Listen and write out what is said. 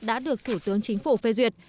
đã được thủ tướng chính phủ phê duyệt